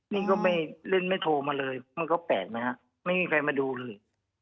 นี่ก็ไม่เล่นไม่โทรมาเลยมันก็แปลกนะฮะไม่มีใครมาดูเลย